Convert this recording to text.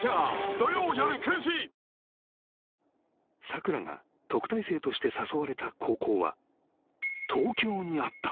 ［さくらが特待生として誘われた高校は東京にあった］